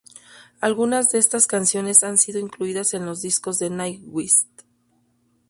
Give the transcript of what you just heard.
Algunas de estas canciones han sido incluidas en los discos de Nightwish.